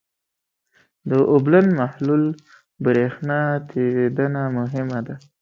د اوبلن محلول برېښنا تیریدنه مهمه ده.